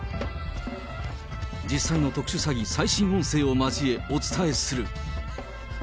実際の特殊詐欺最新音声を交えお伝えする。